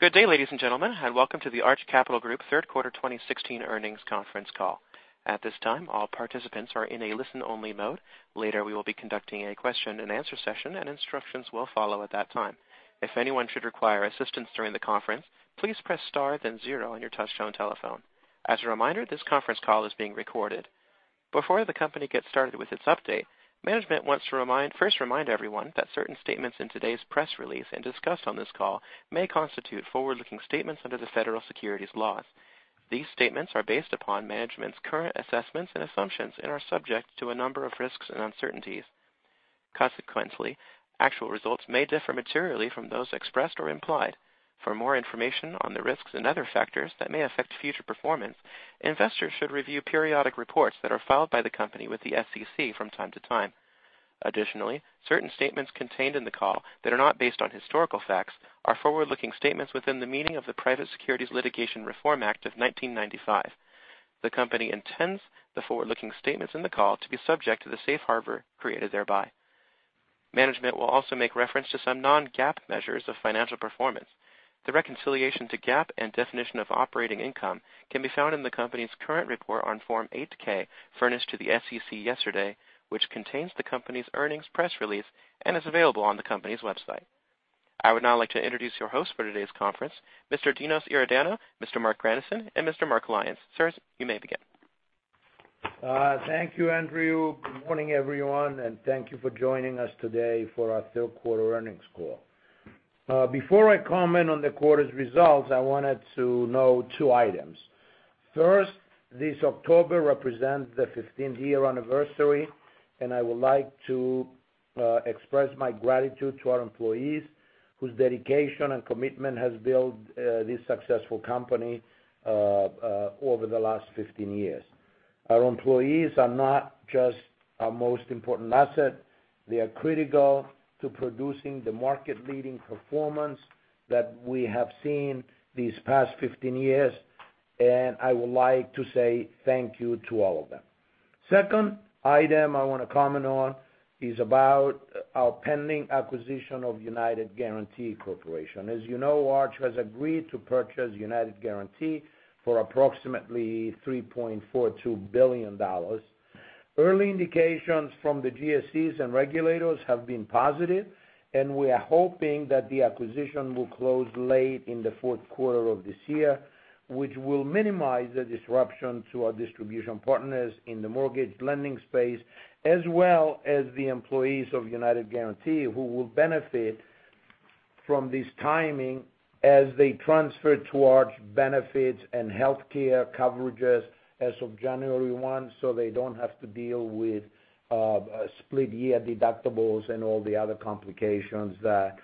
Good day, ladies and gentlemen. Welcome to the Arch Capital Group third quarter 2016 earnings conference call. At this time, all participants are in a listen-only mode. Later, we will be conducting a question and answer session. Instructions will follow at that time. If anyone should require assistance during the conference, please press star then zero on your touchtone telephone. As a reminder, this conference call is being recorded. Before the company gets started with its update, management wants to first remind everyone that certain statements in today's press release and discussed on this call may constitute forward-looking statements under the federal securities laws. These statements are based upon management's current assessments and assumptions and are subject to a number of risks and uncertainties. Consequently, actual results may differ materially from those expressed or implied. For more information on the risks and other factors that may affect future performance, investors should review periodic reports that are filed by the company with the SEC from time to time. Certain statements contained in the call that are not based on historical facts are forward-looking statements within the meaning of the Private Securities Litigation Reform Act of 1995. The company intends the forward-looking statements in the call to be subject to the Safe Harbor created thereby. Management will also make reference to some non-GAAP measures of financial performance. The reconciliation to GAAP and definition of operating income can be found in the company's current report on Form 8-K furnished to the SEC yesterday, which contains the company's earnings press release and is available on the company's website. I would now like to introduce your host for today's conference, Mr. Dinos Iordanou, Mr. Marc Grandisson, and Mr. Mark Lyons. Sirs, you may begin. Thank you, Andrew. Good morning, everyone. Thank you for joining us today for our third quarter earnings call. Before I comment on the quarter's results, I wanted to note two items. First, this October represents the 15-year anniversary. I would like to express my gratitude to our employees whose dedication and commitment has built this successful company over the last 15 years. Our employees are not just our most important asset, they are critical to producing the market-leading performance that we have seen these past 15 years. I would like to say thank you to all of them. Second item I want to comment on is about our pending acquisition of United Guaranty Corporation. As you know, Arch has agreed to purchase United Guaranty for approximately $3.42 billion. Early indications from the GSEs and regulators have been positive, and we are hoping that the acquisition will close late in the fourth quarter of this year, which will minimize the disruption to our distribution partners in the mortgage lending space, as well as the employees of United Guaranty who will benefit from this timing as they transfer to Arch benefits and healthcare coverages as of January one so they don't have to deal with split year deductibles and all the other complications that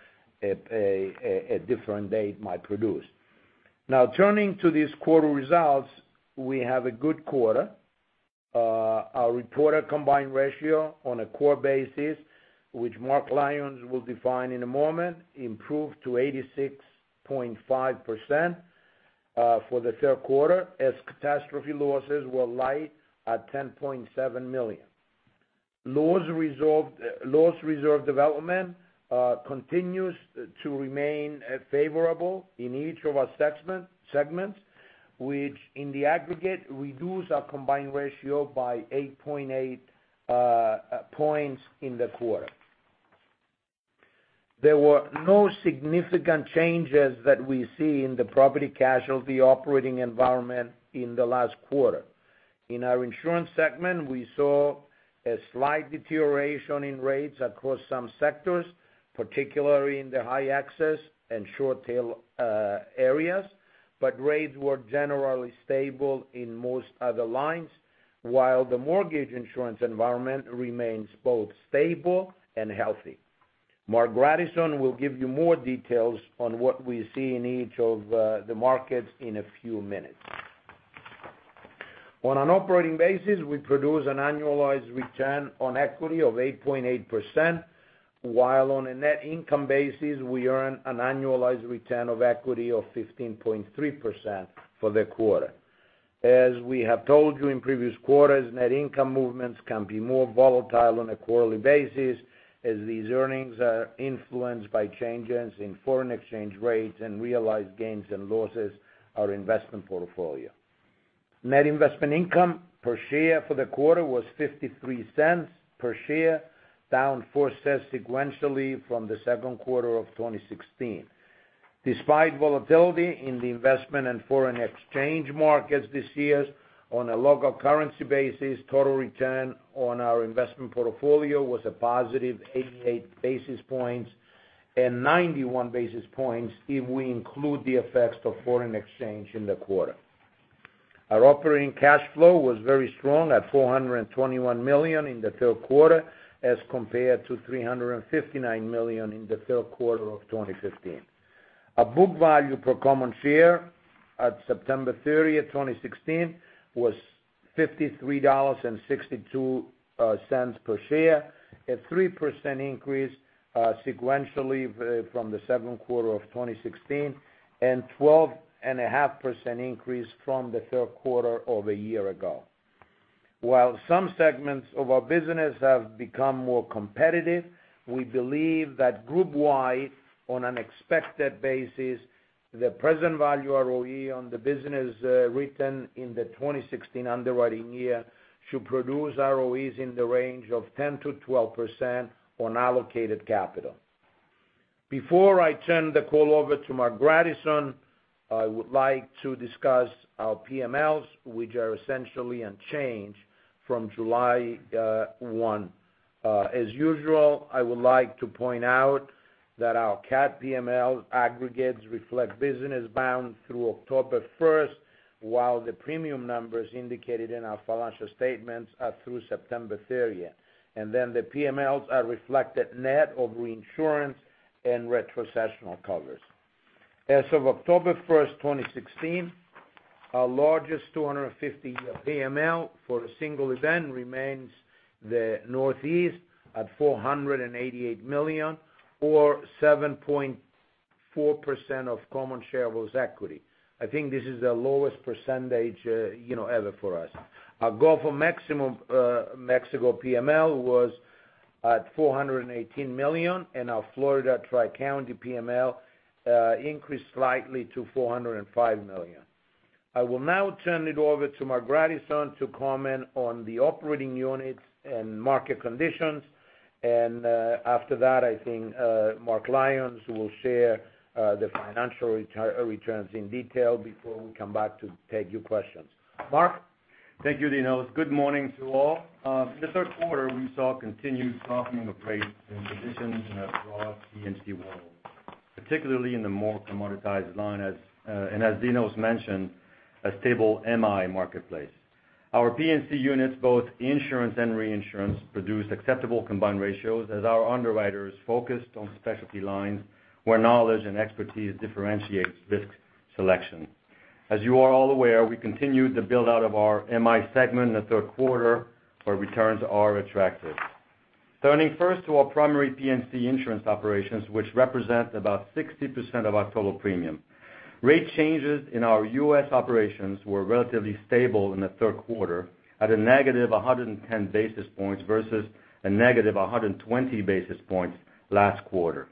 a different date might produce. Turning to these quarter results, we have a good quarter. Our reported combined ratio on a core basis, which Mark Lyons will define in a moment, improved to 86.5% for the third quarter as CAT losses were light at $10.7 million. Loss reserve development continues to remain favorable in each of our segments, which in the aggregate reduce our combined ratio by 8.8 points in the quarter. There were no significant changes that we see in the property casualty operating environment in the last quarter. In our insurance segment, we saw a slight deterioration in rates across some sectors, particularly in the high excess and short tail areas, but rates were generally stable in most other lines, while the mortgage insurance environment remains both stable and healthy. Marc Grandisson will give you more details on what we see in each of the markets in a few minutes. On an operating basis, we produce an annualized return on equity of 8.8%, while on a net income basis, we earn an annualized return of equity of 15.3% for the quarter. As we have told you in previous quarters, net income movements can be more volatile on a quarterly basis as these earnings are influenced by changes in foreign exchange rates and realized gains and losses our investment portfolio. Net investment income per share for the quarter was $0.53 per share, down $0.04 sequentially from the second quarter of 2016. Despite volatility in the investment and foreign exchange markets this year, on a local currency basis, total return on our investment portfolio was a positive 88 basis points, and 91 basis points if we include the effects of foreign exchange in the quarter. Our operating cash flow was very strong at $421 million in the third quarter as compared to $359 million in the third quarter of 2015. Our book value per common share at September 30th, 2016 was $53.62 per share, a 3% increase sequentially from the second quarter of 2016, and 12.5% increase from the third quarter of a year ago. While some segments of our business have become more competitive, we believe that group wide, on an expected basis, the present value ROE on the business written in the 2016 underwriting year should produce ROEs in the range of 10%-12% on allocated capital. Before I turn the call over to Marc Grandisson, I would like to discuss our PMLs, which are essentially unchanged from July one. As usual, I would like to point out that our CAT PML aggregates reflect business bound through October 1st, while the premium numbers indicated in our financial statements are through September 30. The PMLs are reflected net of reinsurance and retrocessional covers. As of October 1st, 2016, our largest 250 PML for a single event remains the Northeast at $488 million or 7.4% of common shareholders' equity. I think this is the lowest percentage ever for us. Our Gulf of Mexico PML was at $418 million, and our Florida Tri-County PML increased slightly to $405 million. I will now turn it over to Marc Grandisson to comment on the operating units and market conditions. After that, I think Mark Lyons will share the financial returns in detail before we come back to take your questions. Mark? Thank you, Dinos. Good morning to all. In the third quarter, we saw continued softening of rates and conditions in a broad P&C world, particularly in the more commoditized line, and as Dinos mentioned, a stable MI marketplace. Our P&C units, both insurance and reinsurance, produced acceptable combined ratios as our underwriters focused on specialty lines where knowledge and expertise differentiates risk selection. As you are all aware, we continued the build-out of our MI segment in the third quarter, where returns are attractive. Turning first to our primary P&C insurance operations, which represent about 60% of our total premium. Rate changes in our U.S. operations were relatively stable in the third quarter at a negative 110 basis points versus a negative 120 basis points last quarter.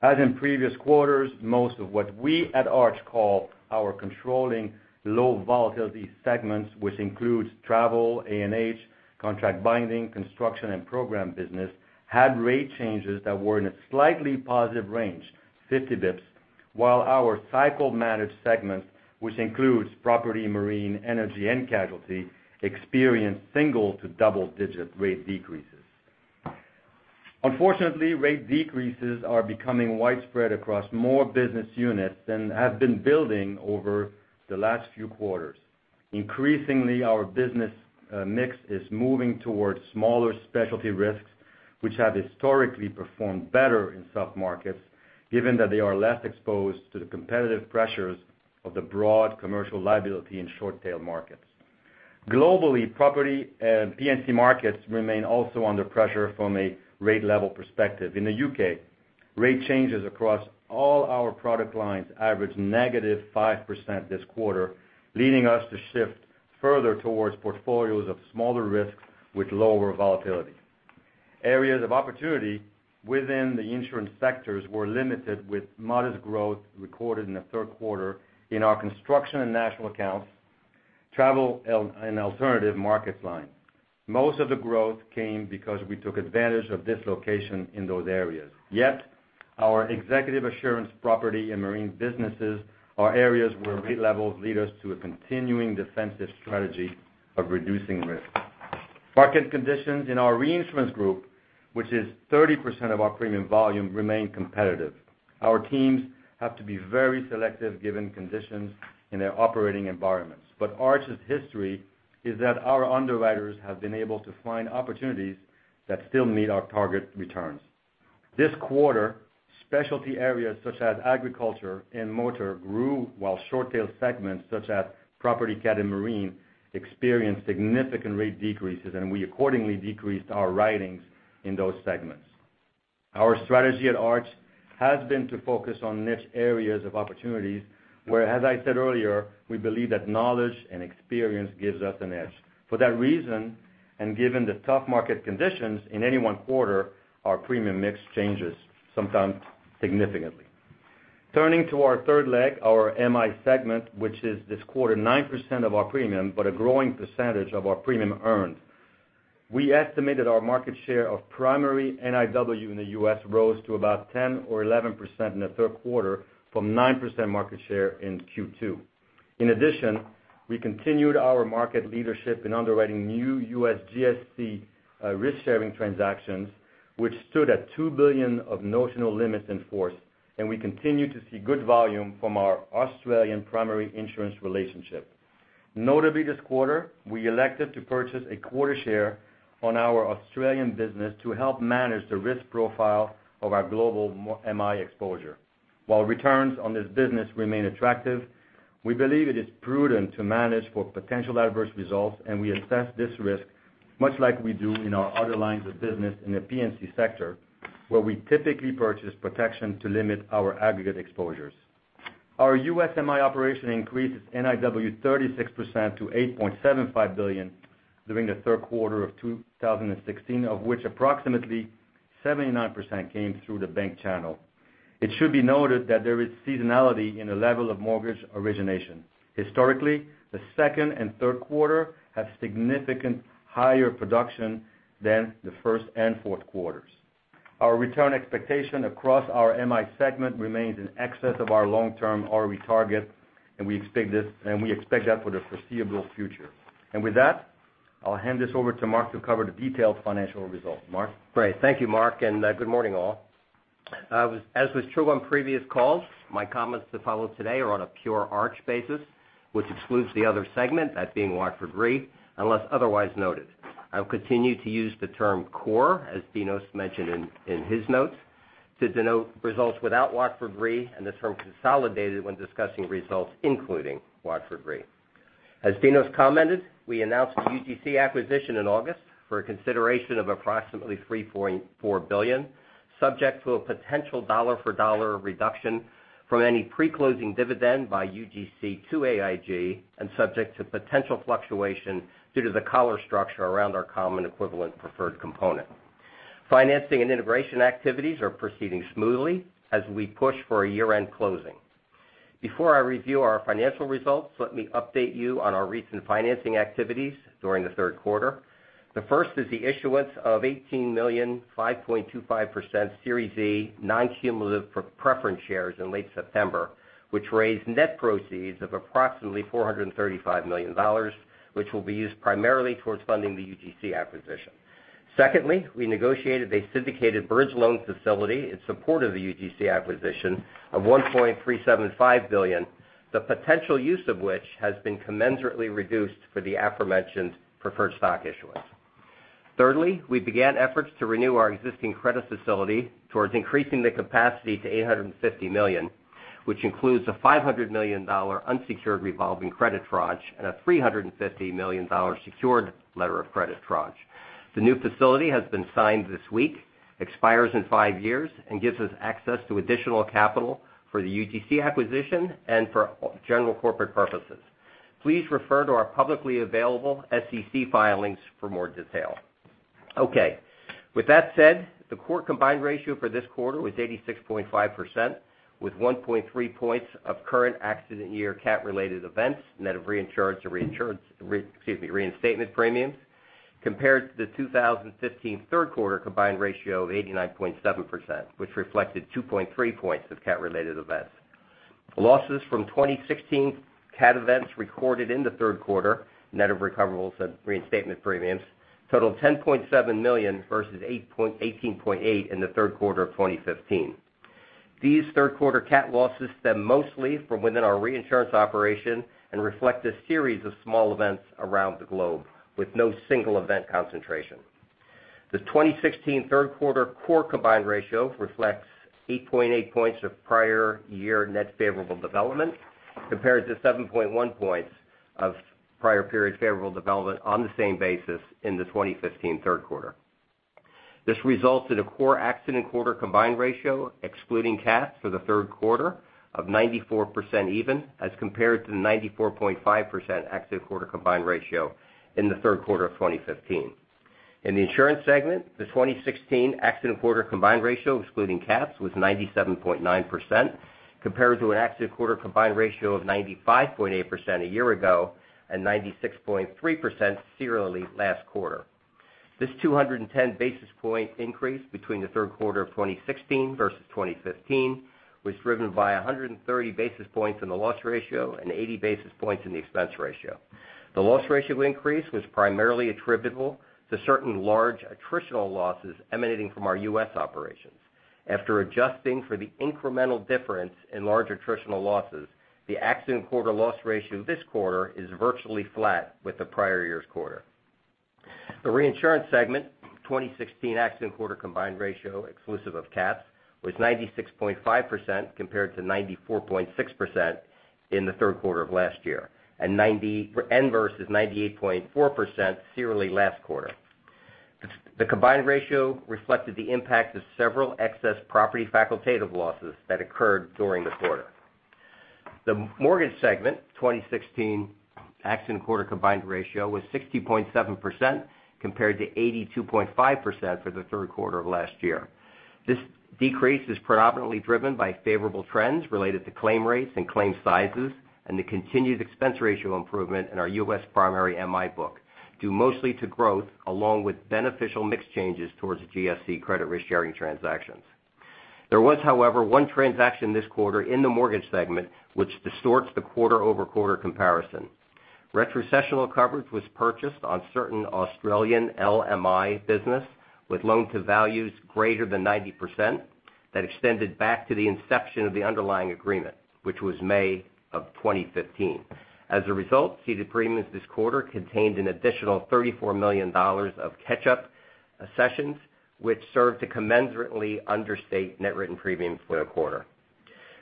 As in previous quarters, most of what we at Arch call our controlling low volatility segments, which includes travel, A&H, contract binding, construction, and program business, had rate changes that were in a slightly positive range, 50 basis points, while our cycle managed segment, which includes property, marine, energy, and casualty, experienced single to double-digit rate decreases. Unfortunately, rate decreases are becoming widespread across more business units and have been building over the last few quarters. Increasingly, our business mix is moving towards smaller specialty risks, which have historically performed better in soft markets, given that they are less exposed to the competitive pressures of the broad commercial liability in short tail markets. Globally, property P&C markets remain also under pressure from a rate level perspective. In the U.K., rate changes across all our product lines averaged negative 5% this quarter, leading us to shift further towards portfolios of smaller risks with lower volatility. Areas of opportunity within the insurance sectors were limited with modest growth recorded in the third quarter in our construction and national accounts, travel and alternative markets line. Most of the growth came because we took advantage of dislocation in those areas. Yet, our executive assurance property and marine businesses are areas where rate levels lead us to a continuing defensive strategy of reducing risk. Market conditions in our reinsurance group, which is 30% of our premium volume, remain competitive. Our teams have to be very selective given conditions in their operating environments. Arch's history is that our underwriters have been able to find opportunities that still meet our target returns. This quarter, specialty areas such as agriculture and motor grew while short tail segments such as property CAT and marine experienced significant rate decreases. We accordingly decreased our writings in those segments. Our strategy at Arch has been to focus on niche areas of opportunities where, as I said earlier, we believe that knowledge and experience gives us an edge. For that reason, given the tough market conditions in any one quarter, our premium mix changes sometimes significantly. Turning to our third leg, our MI segment, which is this quarter 9% of our premium, a growing percentage of our premium earned. We estimated our market share of primary NIW in the U.S. rose to about 10% or 11% in the third quarter from 9% market share in Q2. We continued our market leadership in underwriting new U.S. GSE risk-sharing transactions, which stood at $2 billion of notional limits in force. We continue to see good volume from our Australian primary insurance relationship. Notably this quarter, we elected to purchase a quarter share on our Australian business to help manage the risk profile of our global MI exposure. While returns on this business remain attractive, we believe it is prudent to manage for potential adverse results. We assess this risk much like we do in our other lines of business in the P&C sector, where we typically purchase protection to limit our aggregate exposures. Our U.S. MI operation increased NIW 36% to $8.75 billion during the third quarter of 2016, of which approximately 79% came through the bank channel. It should be noted that there is seasonality in the level of mortgage origination. Historically, the second and third quarter have significant higher production than the first and fourth quarters. Our return expectation across our MI segment remains in excess of our long-term ROE target. We expect that for the foreseeable future. With that, I'll hand this over to Mark to cover the detailed financial results. Mark? Great. Thank you, Mark, good morning all. As was true on previous calls, my comments to follow today are on a pure Arch basis, which excludes the Other segment, that being Watford Re, unless otherwise noted. I will continue to use the term core, as Dinos mentioned in his notes, to denote results without Watford Re, the term consolidated when discussing results including Watford Re. As Dinos commented, we announced the UGC acquisition in August for a consideration of approximately $3.4 billion, subject to a potential dollar for dollar reduction from any pre-closing dividend by UGC to AIG and subject to potential fluctuation due to the collar structure around our common equivalent preferred component. Financing and integration activities are proceeding smoothly as we push for a year-end closing. Before I review our financial results, let me update you on our recent financing activities during the third quarter. The first is the issuance of 18 million 5.25% Series A non-cumulative preference shares in late September, which raised net proceeds of approximately $435 million, which will be used primarily towards funding the UGC acquisition. Secondly, we negotiated a syndicated bridge loan facility in support of the UGC acquisition of $1.375 billion, the potential use of which has been commensurately reduced for the aforementioned preferred stock issuance. Thirdly, we began efforts to renew our existing credit facility towards increasing the capacity to $850 million, which includes a $500 million unsecured revolving credit tranche and a $350 million secured letter of credit tranche. The new facility has been signed this week, expires in 5 years, and gives us access to additional capital for the UGC acquisition and for general corporate purposes. Please refer to our publicly available SEC filings for more detail. With that said, the core combined ratio for this quarter was 86.5%, with 1.3 points of current accident year CAT-related events, net of reinsurance, excuse me, reinstatement premiums compared to the 2015 third quarter combined ratio of 89.7%, which reflected 2.3 points of CAT-related events. Losses from 2016 CAT events recorded in the third quarter, net of recoverables and reinstatement premiums, totaled $10.7 million versus $18.8 in the third quarter of 2015. These third quarter CAT losses stem mostly from within our reinsurance operation and reflect a series of small events around the globe with no single event concentration. The 2016 third quarter core combined ratio reflects 8.8 points of prior year net favorable development, compared to 7.1 points of prior period favorable development on the same basis in the 2015 third quarter. This results in a core accident quarter combined ratio, excluding CAT for the third quarter of 94% even as compared to the 94.5% accident quarter combined ratio in the third quarter of 2015. In the insurance segment, the 2016 accident quarter combined ratio excluding CATs was 97.9%, compared to an accident quarter combined ratio of 95.8% a year ago and 96.3% serially last quarter. This 210 basis point increase between the third quarter of 2016 versus 2015 was driven by 130 basis points in the loss ratio and 80 basis points in the expense ratio. The loss ratio increase was primarily attributable to certain large attritional losses emanating from our U.S. operations. After adjusting for the incremental difference in large attritional losses, the accident quarter loss ratio this quarter is virtually flat with the prior year's quarter. The reinsurance segment 2016 accident quarter combined ratio exclusive of CATs was 96.5% compared to 94.6% in the third quarter of last year and versus 98.4% serially last quarter. The combined ratio reflected the impact of several excess property facultative losses that occurred during the quarter. The mortgage segment 2016 accident quarter combined ratio was 60.7% compared to 82.5% for the third quarter of last year. This decrease is predominantly driven by favorable trends related to claim rates and claim sizes and the continued expense ratio improvement in our U.S. primary MI book, due mostly to growth along with beneficial mix changes towards the GSE credit risk-sharing transactions. There was, however, one transaction this quarter in the mortgage segment, which distorts the quarter-over-quarter comparison. Retrocessional coverage was purchased on certain Australian LMI business with loan to values greater than 90% that extended back to the inception of the underlying agreement, which was May of 2015. As a result, ceded premiums this quarter contained an additional $34 million of catch-up cessions, which served to commensurately understate net written premium for the quarter.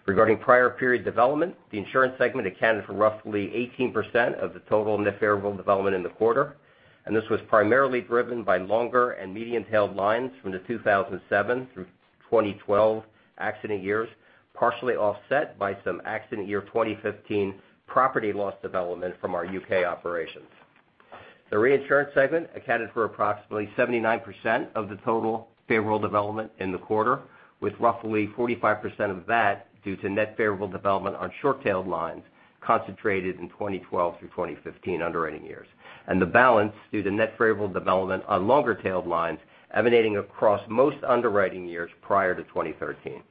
Regarding prior period development, the insurance segment accounted for roughly 18% of the total net favorable development in the quarter. This was primarily driven by longer and medium-tailed lines from the 2007 through 2012 accident years, partially offset by some accident year 2015 property loss development from our U.K. operations. The reinsurance segment accounted for approximately 79% of the total favorable development in the quarter, with roughly 45% of that due to net favorable development on short-tailed lines concentrated in 2012 through 2015 underwriting years, and the balance due to net favorable development on longer-tailed lines emanating across most underwriting years prior to 2013.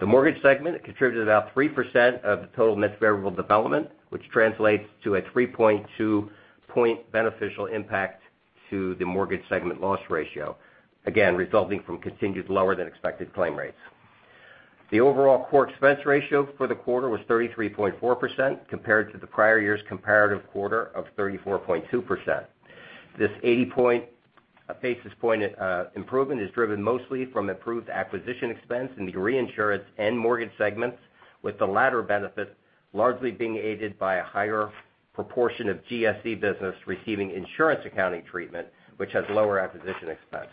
The mortgage segment contributed about 3% of the total net favorable development, which translates to a 3.2 point beneficial impact to the mortgage segment loss ratio, again, resulting from continued lower than expected claim rates. The overall core expense ratio for the quarter was 33.4% compared to the prior year's comparative quarter of 34.2%. This 80 basis point improvement is driven mostly from improved acquisition expense in the reinsurance and mortgage segments, with the latter benefit largely being aided by a higher proportion of GSE business receiving insurance accounting treatment, which has lower acquisition expense.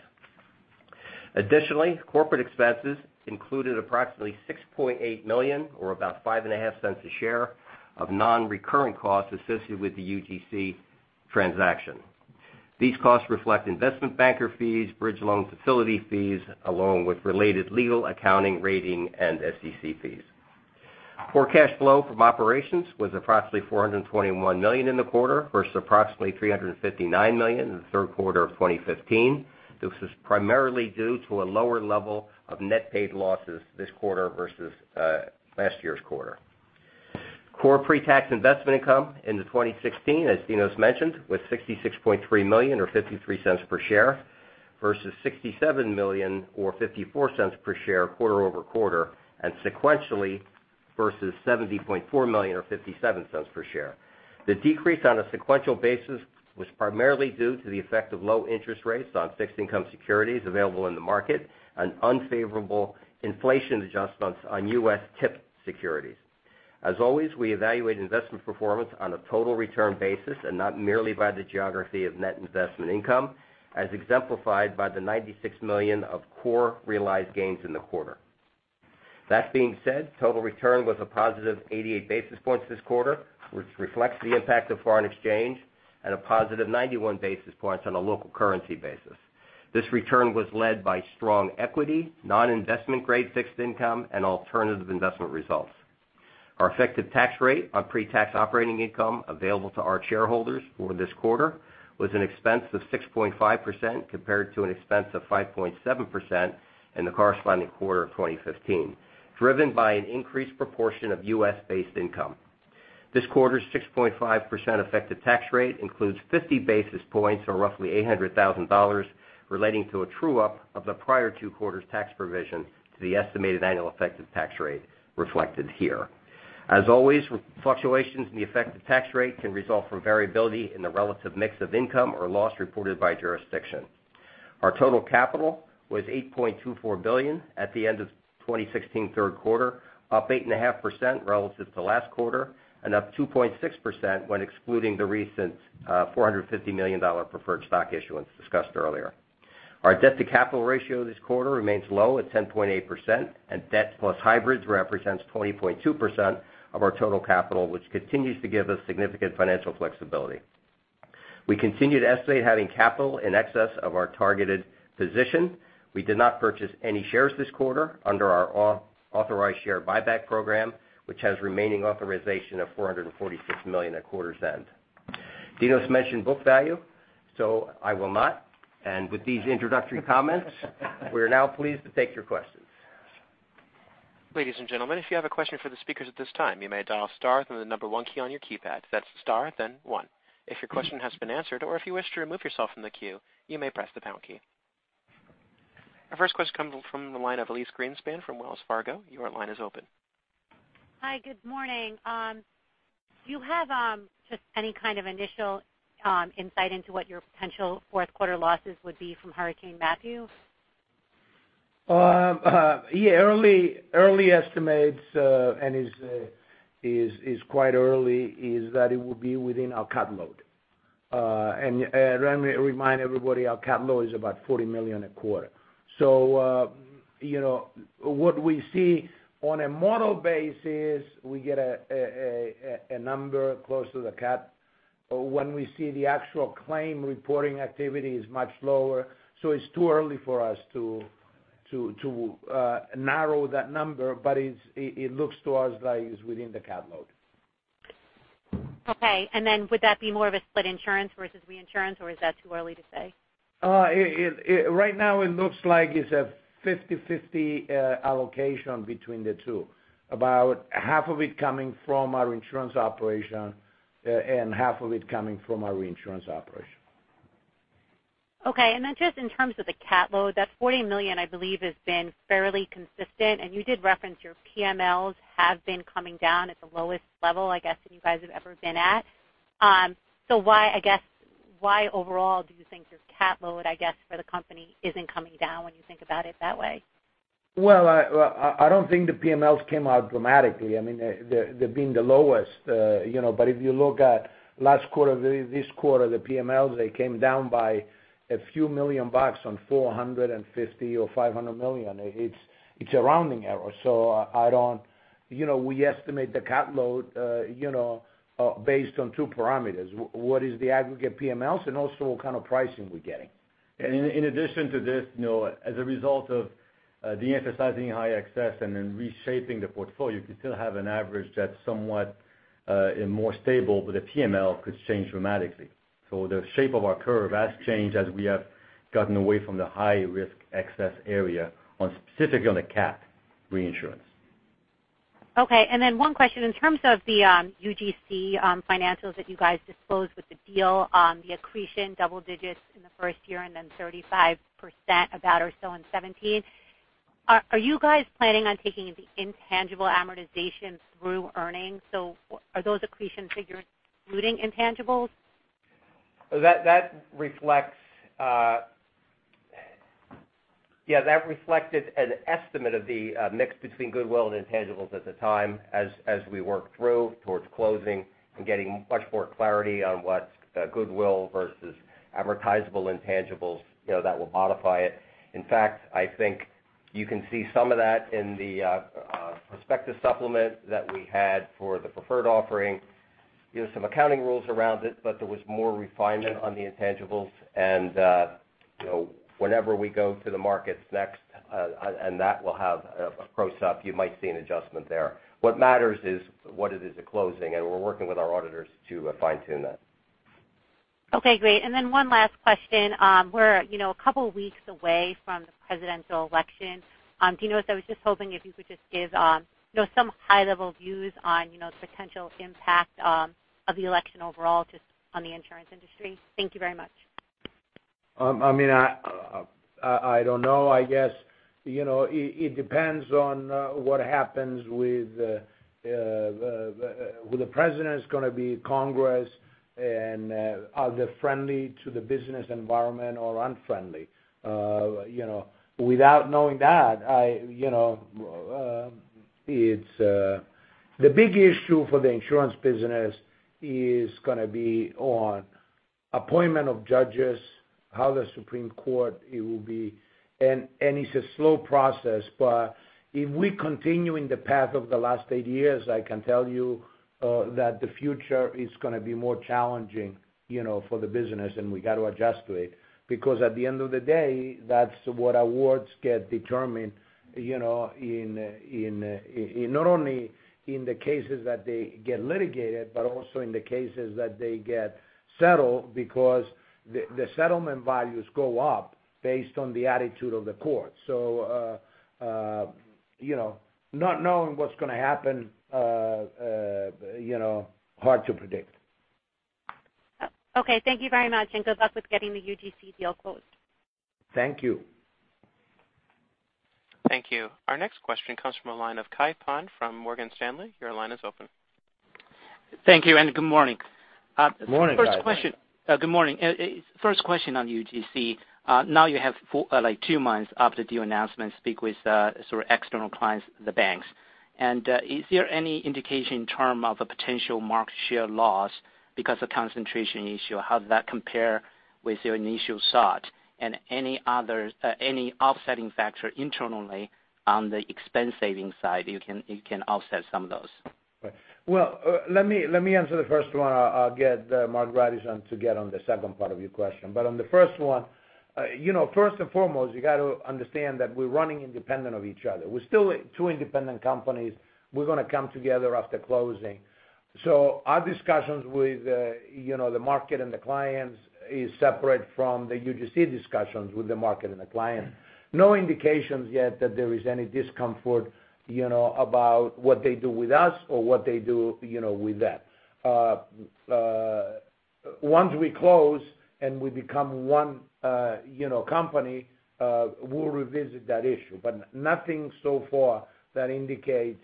Additionally, corporate expenses included approximately $6.8 million, or about $0.055 a share, of non-recurring costs associated with the UGC transaction. These costs reflect investment banker fees, bridge loan facility fees, along with related legal, accounting, rating, and SEC fees. Core cash flow from operations was approximately $421 million in the quarter versus approximately $359 million in the third quarter of 2015. This is primarily due to a lower level of net paid losses this quarter versus last year's quarter. Core pre-tax investment income into 2016, as Dinos mentioned, was $66.3 million or $0.53 per share versus $67 million or $0.54 per share quarter over quarter, and sequentially versus $70.4 million or $0.57 per share. The decrease on a sequential basis was primarily due to the effect of low interest rates on fixed income securities available in the market and unfavorable inflation adjustments on U.S. TIPS securities. As always, we evaluate investment performance on a total return basis and not merely by the geography of net investment income, as exemplified by the $96 million of core realized gains in the quarter. That being said, total return was a positive 88 basis points this quarter, which reflects the impact of foreign exchange at a positive 91 basis points on a local currency basis. This return was led by strong equity, non-investment grade fixed income, and alternative investment results. Our effective tax rate on pre-tax operating income available to our shareholders for this quarter was an expense of 6.5% compared to an expense of 5.7% in the corresponding quarter of 2015, driven by an increased proportion of U.S.-based income. This quarter's 6.5% effective tax rate includes 50 basis points or roughly $800,000 relating to a true up of the prior two quarters' tax provision to the estimated annual effective tax rate reflected here. As always, fluctuations in the effective tax rate can result from variability in the relative mix of income or loss reported by jurisdiction. Our total capital was $8.24 billion at the end of 2016 third quarter, up 8.5% relative to last quarter and up 2.6% when excluding the recent $450 million preferred stock issuance discussed earlier. Our debt to capital ratio this quarter remains low at 10.8%, and debt plus hybrids represents 20.2% of our total capital, which continues to give us significant financial flexibility. We continue to estimate having capital in excess of our targeted position. We did not purchase any shares this quarter under our authorized share buyback program, which has remaining authorization of $446 million at quarter's end. Dinos mentioned book value, I will not. With these introductory comments, we are now pleased to take your questions. Ladies and gentlemen, if you have a question for the speakers at this time, you may dial star, then the number 1 key on your keypad. That's star, then 1. If your question has been answered or if you wish to remove yourself from the queue, you may press the pound key. Our first question comes from the line of Elyse Greenspan from Wells Fargo. Your line is open. Hi. Good morning. Do you have just any kind of initial insight into what your potential fourth quarter losses would be from Hurricane Matthew? Early estimates, it's quite early, is that it will be within our CAT load. Let me remind everybody, our CAT load is about $40 million a quarter. What we see on a model basis, we get a number close to the CAT when we see the actual claim reporting activity is much lower. It's too early for us to narrow that number, but it looks to us like it's within the CAT load. Would that be more of a split insurance versus reinsurance, or is that too early to say? Right now it looks like it's a 50/50 allocation between the two. About half of it coming from our insurance operation and half of it coming from our reinsurance operation. Just in terms of the CAT load, that $40 million, I believe, has been fairly consistent, and you did reference your PMLs have been coming down at the lowest level, I guess, that you guys have ever been at. Why overall do you think your CAT load, I guess, for the company isn't coming down when you think about it that way? I don't think the PMLs came out dramatically. They've been the lowest. If you look at last quarter, this quarter, the PMLs, they came down by a few million on $450 million or $500 million. It's a rounding error. We estimate the CAT load based on two parameters. What is the aggregate PMLs and also what kind of pricing we're getting? In addition to this, as a result of de-emphasizing high excess and then reshaping the portfolio, you can still have an average that's somewhat more stable, the PML could change dramatically. The shape of our curve has changed as we have gotten away from the high-risk excess area on specifically on the CAT reinsurance. Okay. One question, in terms of the UGC financials that you guys disclosed with the deal on the accretion double digits in the first year and then 35% about or so in 2017, are you guys planning on taking the intangible amortization through earnings? Are those accretion figures including intangibles? That reflected an estimate of the mix between goodwill and intangibles at the time as we worked through towards closing and getting much more clarity on what's goodwill versus amortizable intangibles that will modify it. In fact, I think you can see some of that in the prospectus supplement that we had for the preferred offering. Some accounting rules around it, there was more refinement on the intangibles and whenever we go to the markets next, that will have a pro sup, you might see an adjustment there. What matters is what it is at closing, and we're working with our auditors to fine-tune that. Okay, great. One last question. We're a couple of weeks away from the presidential election. Dinos, I was just hoping if you could just give some high-level views on the potential impact of the election overall just on the insurance industry. Thank you very much. I don't know. I guess it depends on what happens with the president is going to be Congress and are they friendly to the business environment or unfriendly? Without knowing that, the big issue for the insurance business is going to be on appointment of judges, how the Supreme Court it will be, and it's a slow process, but if we continue in the path of the last eight years, I can tell you that the future is going to be more challenging for the business, and we got to adjust to it because at the end of the day, that's what awards get determined, not only in the cases that they get litigated, but also in the cases that they get settled because the settlement values go up based on the attitude of the court. Not knowing what's going to happen, hard to predict. Okay. Thank you very much, and good luck with getting the UGC deal closed. Thank you. Thank you. Our next question comes from the line of Kai Pan from Morgan Stanley. Your line is open. Thank you, good morning. Morning, Kai. Good morning. First question on UGC. Now you have two months after the announcement speak with sort of external clients, the banks. Is there any indication in terms of a potential market share loss because of concentration issue? How does that compare with your initial thought? Any offsetting factor internally on the expense saving side you can offset some of those? Well, let me answer the first one. I'll get Marc Grandisson to get on the second part of your question. On the first one, first and foremost, you got to understand that we're running independent of each other. We're still two independent companies. We're going to come together after closing. Our discussions with the market and the clients is separate from the UGC discussions with the market and the client. No indications yet that there is any discomfort about what they do with us or what they do with them. Once we close and we become one company, we'll revisit that issue, nothing so far that indicates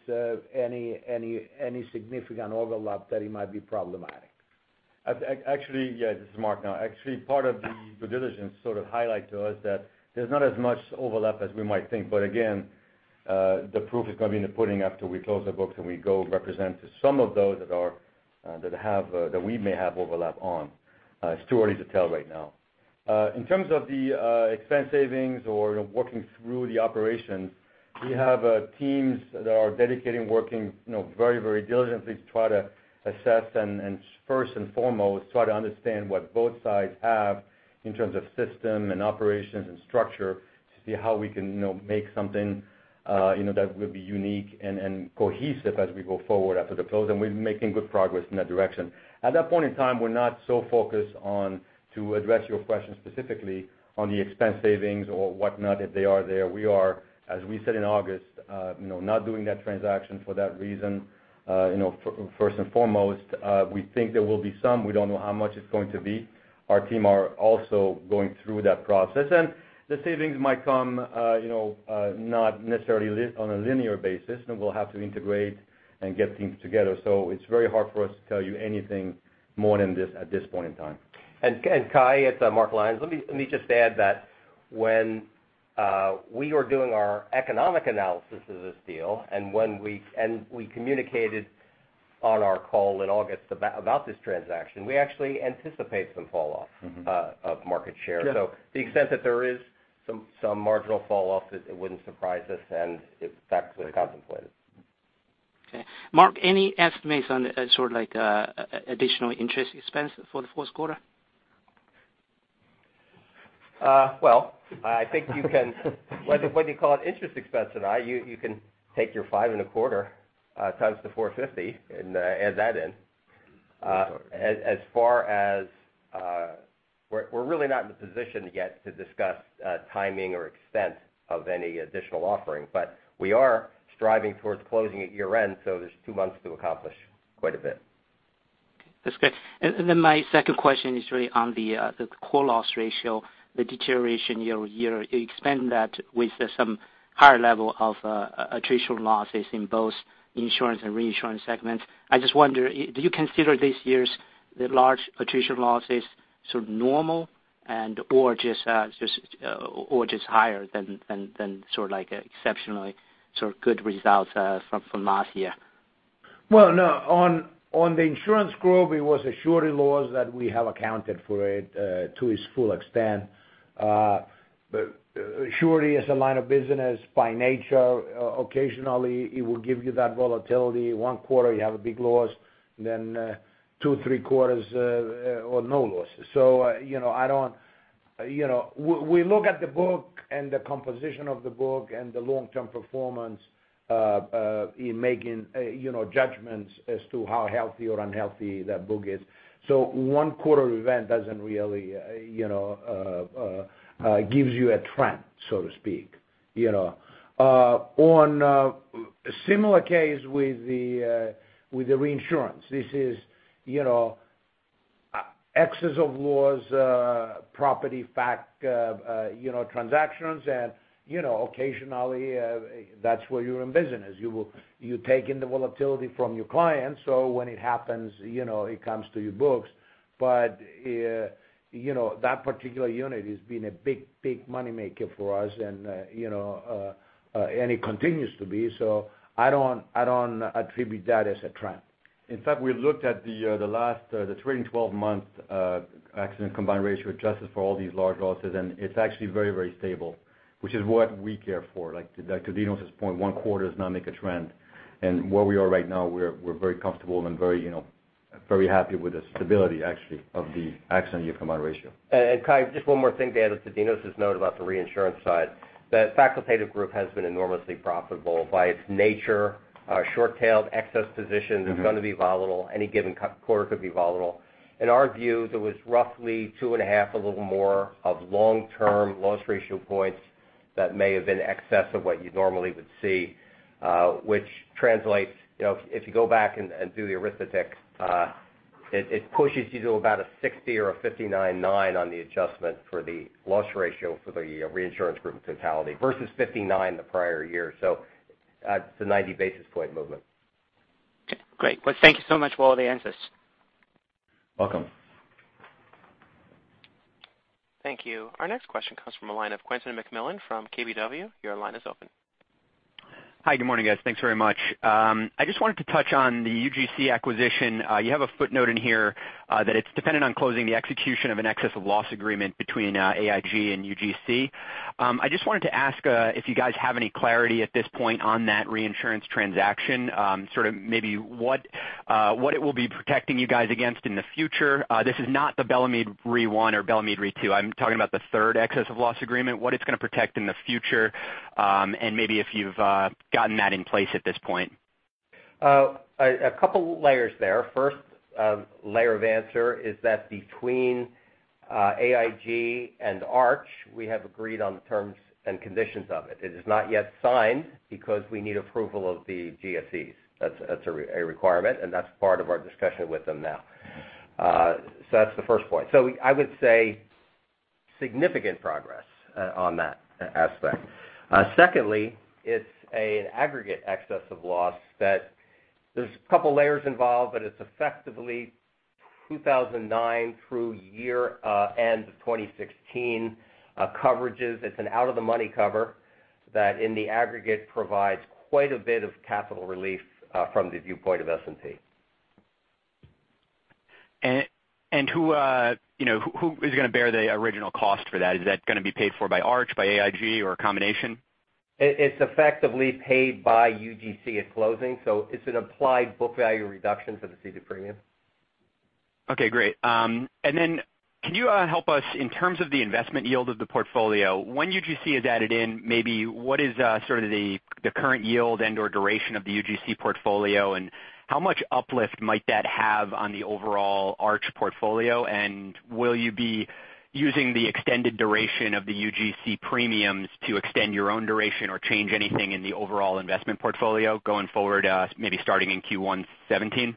any significant overlap that it might be problematic. Actually, yeah, this is Marc now. Actually, part of the due diligence sort of highlight to us that there's not as much overlap as we might think. Again, the proof is going to be in the pudding after we close the books and we go represent to some of those that we may have overlap on. It's too early to tell right now. In terms of the expense savings or working through the operations, we have teams that are dedicating working very diligently to try to assess and first and foremost, try to understand what both sides have in terms of system and operations and structure to see how we can make something that will be unique and cohesive as we go forward after the close, we're making good progress in that direction. At that point in time, we're not so focused on to address your question specifically on the expense savings or whatnot if they are there. We are, as we said in August, not doing that transaction for that reason. First and foremost, we think there will be some, we don't know how much it's going to be. Our team are also going through that process. The savings might come not necessarily on a linear basis, we'll have to integrate and get things together. It's very hard for us to tell you anything more than this at this point in time. Kai, it's Mark Lyons. Let me just add that when we were doing our economic analysis of this deal, we communicated on our call in August about this transaction, we actually anticipate some fall off of market share. Yeah. To the extent that there is some marginal fall off, it wouldn't surprise us, and that's been contemplated. Okay. Mark, any estimates on sort of like additional interest expense for the fourth quarter? Well, I think, whether what you call it interest expense or not, you can take your five and a quarter, times the $450 and add that in. As far as we're really not in a position yet to discuss timing or extent of any additional offering, but we are striving towards closing at year-end, so there's two months to accomplish quite a bit. That's great. My second question is really on the core loss ratio, the deterioration year-over-year. You explained that with some higher level of attritional losses in both insurance and reinsurance segments. I just wonder, do you consider this year's large attrition losses sort of normal and or just higher than sort of like exceptionally good results from last year? No. On the insurance growth, it was a surety loss that we have accounted for it to its full extent. Surety as a line of business, by nature occasionally it will give you that volatility. One quarter you have a big loss, then two, three quarters or no losses. We look at the book and the composition of the book and the long-term performance in making judgments as to how healthy or unhealthy that book is. One quarter event doesn't really give you a trend, so to speak. On a similar case with the reinsurance. This is excess of loss, property facultative transactions, and occasionally that's why you're in business. You take in the volatility from your clients. When it happens, it comes to your books. That particular unit has been a big money maker for us and it continues to be, I don't attribute that as a trend. In fact, we looked at the last trailing 12 months accident combined ratio adjusted for all these large losses, and it's actually very stable, which is what we care for. Like Dinos' point, one quarter does not make a trend. Where we are right now, we're very comfortable and very happy with the stability actually of the accident year combined ratio. Kai, just one more thing to add to Dinos' note about the reinsurance side. The facultative group has been enormously profitable by its nature. Short-tailed excess position is going to be volatile. Any given quarter could be volatile. In our view, there was roughly two and a half, a little more, of long-term loss ratio points that may have been excess of what you normally would see, which translates, if you go back and do the arithmetic, it pushes you to about a 60 or a 59.9 on the adjustment for the loss ratio for the reinsurance group in totality versus 59 the prior year. It's a 90 basis point movement. Okay, great. Well, thank you so much for all the answers. Welcome. Thank you. Our next question comes from the line of Quentin McMillan from KBW. Your line is open. Hi. Good morning, guys. Thanks very much. I just wanted to touch on the UGC acquisition. You have a footnote in here, that it's dependent on closing the execution of an excess of loss agreement between AIG and UGC. I just wanted to ask if you guys have any clarity at this point on that reinsurance transaction, sort of maybe what it will be protecting you guys against in the future. This is not the Bellemeade Re I or Bellemeade Re II. I'm talking about the third excess of loss agreement, what it's going to protect in the future, and maybe if you've gotten that in place at this point. A couple layers there. First layer of answer is that between AIG and Arch, we have agreed on the terms and conditions of it. It is not yet signed because we need approval of the GSEs. That's a requirement, and that's part of our discussion with them now. That's the first point. I would say significant progress on that aspect. Secondly, it's an aggregate excess of loss that there's a couple layers involved, but it's effectively 2009 through year end of 2016 coverages. It's an out of the money cover that in the aggregate provides quite a bit of capital relief from the viewpoint of S&P. Who is going to bear the original cost for that? Is that going to be paid for by Arch, by AIG, or a combination? It's effectively paid by UGC at closing, so it's an applied book value reduction for the ceded premium. Okay, great. Then can you help us in terms of the investment yield of the portfolio, when UGC is added in, maybe what is sort of the current yield and/or duration of the UGC portfolio, and how much uplift might that have on the overall Arch portfolio? Will you be using the extended duration of the UGC premiums to extend your own duration or change anything in the overall investment portfolio going forward maybe starting in Q1 2017?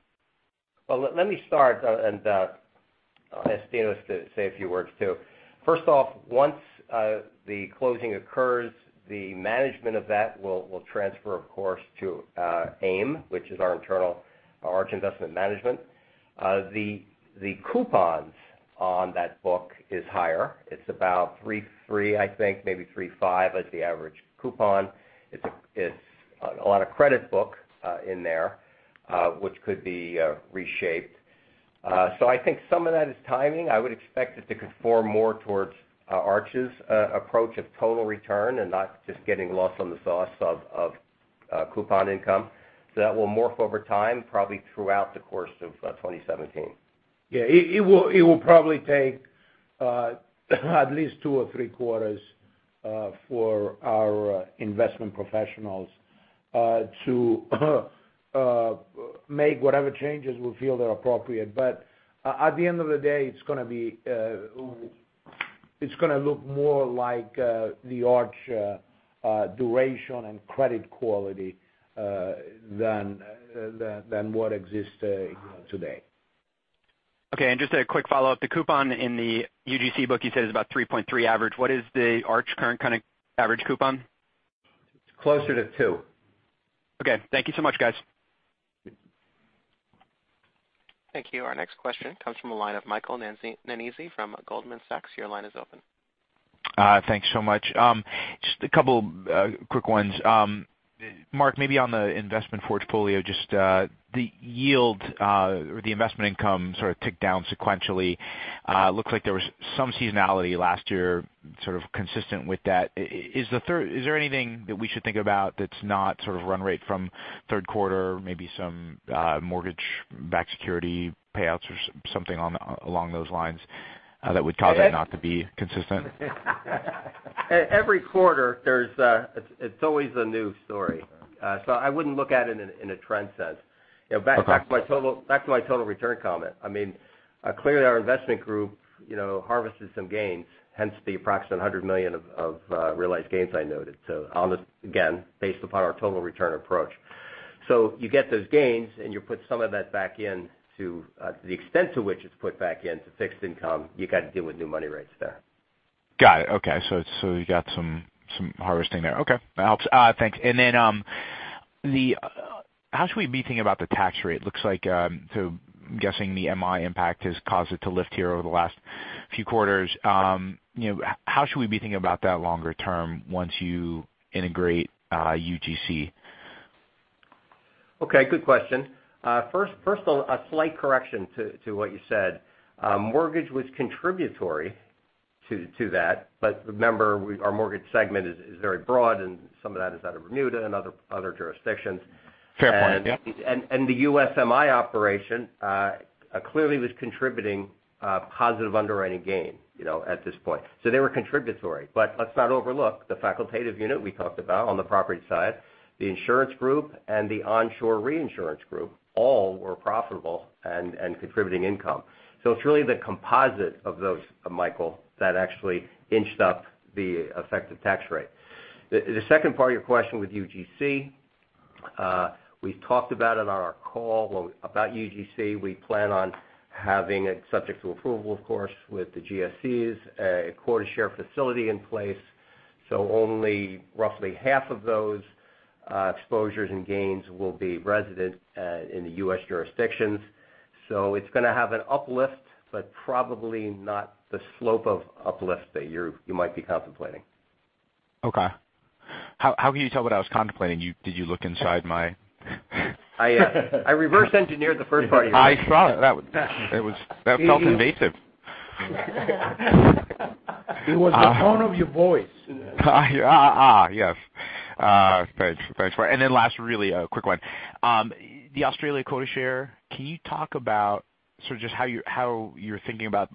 Well, let me start and I'll ask Dinos to say a few words, too. First off, once the closing occurs, the management of that will transfer, of course, to AIM, which is our internal Arch Investment Management. The coupons on that book is higher. It's about 3.3, I think maybe 3.5 as the average coupon. It's a lot of credit book in there which could be reshaped. I think some of that is timing. I would expect it to conform more towards Arch's approach of total return and not just getting lost on the sauce of coupon income. That will morph over time, probably throughout the course of 2017. Yeah. It will probably take at least two or three quarters for our investment professionals to make whatever changes we feel are appropriate. At the end of the day, it's going to look more like the Arch duration and credit quality than what exists today. Okay. Just a quick follow-up. The coupon in the UGC book you said is about 3.3 average. What is the Arch current kind of average coupon? It's closer to two. Okay. Thank you so much, guys. Thank you. Our next question comes from the line of Michael Nannizzi from Goldman Sachs. Your line is open. Thanks so much. Just a couple quick ones. Mark, maybe on the investment portfolio, just the yield or the investment income sort of ticked down sequentially. Looked like there was some seasonality last year, sort of consistent with that. Is there anything that we should think about that's not sort of run rate from third quarter, maybe some mortgage-backed security payouts or something along those lines that would cause it not to be consistent? Every quarter, it's always a new story. I wouldn't look at it in a trend sense. Okay. Back to my total return comment. Clearly our investment group harvested some gains, hence the approximate $100 million of realized gains I noted. Almost, again, based upon our total return approach. You get those gains, and you put some of that back in to the extent to which it's put back into fixed income, you got to deal with new money rates there. Got it. Okay. You got some harvesting there. Okay, that helps. Thanks. How should we be thinking about the tax rate? I'm guessing the MI impact has caused it to lift here over the last few quarters. How should we be thinking about that longer term once you integrate UGC? Good question. First of all, a slight correction to what you said. Mortgage was contributory to that, remember, our mortgage segment is very broad, some of that is out of Bermuda and other jurisdictions. Fair point. Yeah. The U.S. MI operation clearly was contributing positive underwriting gain at this point. They were contributory. Let's not overlook the facultative unit we talked about on the property side, the insurance group, and the onshore reinsurance group, all were profitable and contributing income. It's really the composite of those, Michael, that actually inched up the effective tax rate. The second part of your question with UGC, we've talked about it on our call about UGC. We plan on having it subject to approval, of course, with the GSEs, a quota share facility in place, only roughly half of those exposures and gains will be resident in the U.S. jurisdictions. It's going to have an uplift, probably not the slope of uplift that you might be contemplating. Okay. How can you tell what I was contemplating? Did you look inside my I reverse engineered the first part of your question. I saw it. That felt invasive. It was the tone of your voice. Yes. Thanks. Last really quick one. The Australia quota share, can you talk about sort of just how you're thinking about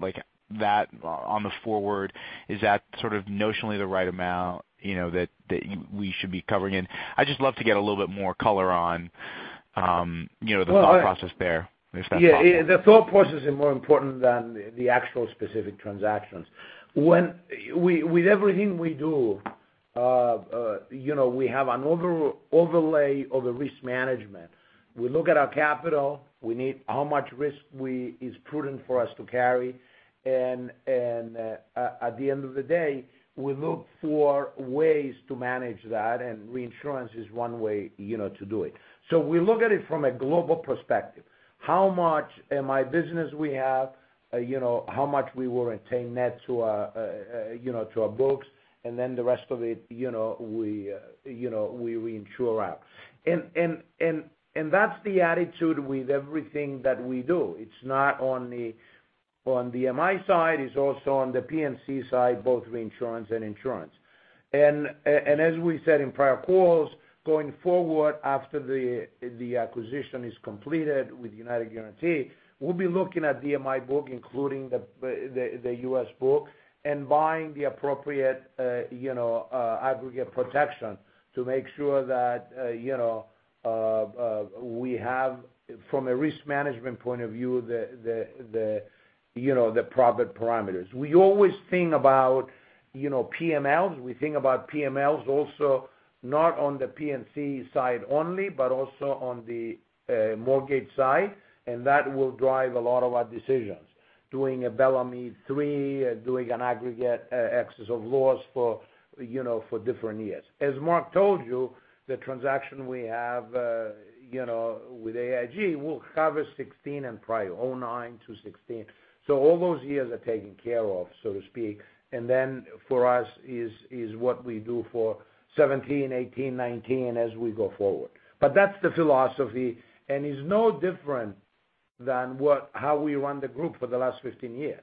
that on the forward? Is that sort of notionally the right amount that we should be covering in? I'd just love to get a little bit more color on the thought process there, if that's possible. Yeah. The thought process is more important than the actual specific transactions. With everything we do, we have an overlay of the risk management. We look at our capital, how much risk is prudent for us to carry, and at the end of the day, we look for ways to manage that, and reinsurance is one way to do it. We look at it from a global perspective. How much MI business we have, how much we will retain net to our books, and then the rest of it we insure out. That's the attitude with everything that we do. It's not only on the MI side, it's also on the P&C side, both reinsurance and insurance. As we said in prior calls, going forward after the acquisition is completed with United Guaranty, we'll be looking at the MI book including the U.S. book and buying the appropriate aggregate protection to make sure that we have, from a risk management point of view, the profit parameters. We always think about PMLs. We think about PMLs also not on the P&C side only, but also on the mortgage side, and that will drive a lot of our decisions. Doing a Bellemeade III, doing an aggregate excess of loss for different years. As Mark told you, the transaction we have with AIG, we'll cover 2016 and probably 2009 to 2016. All those years are taken care of, so to speak. Then for us is what we do for 2017, 2018, 2019 as we go forward. That's the philosophy and is no different than how we run the group for the last 15 years.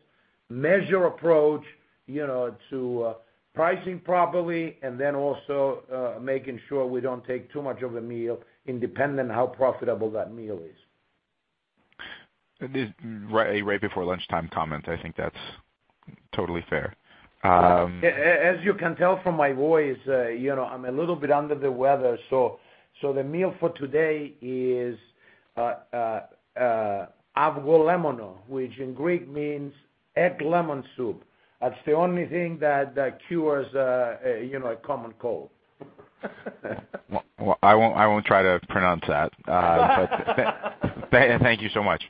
Measure approach to pricing properly, and then also making sure we don't take too much of a meal independent how profitable that meal is. A right before lunchtime comment. I think that's totally fair. As you can tell from my voice, I'm a little bit under the weather, so the meal for today is avgolemono, which in Greek means egg lemon soup. That's the only thing that cures a common cold. Well, I won't try to pronounce that. Thank you so much.